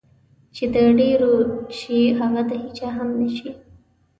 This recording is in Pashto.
چې د ډېرو شي هغه د هېچا هم نشي.